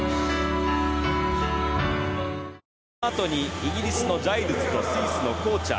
イギリスのジャイルズとスイスのコーチャー。